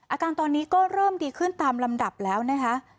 อาการตอนนี้ก็เริ่มดีขึ้นตามลำดับแล้วนะคะ